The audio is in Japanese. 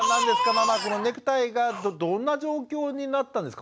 ママこのネクタイがどんな状況になったんですか？